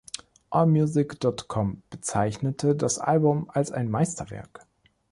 Allmusic dot com bezeichnete das Album als ein Meisterwerk.